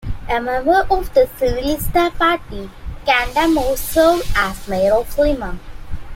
A member of the Civilista Party, Candamo served as mayor of Lima.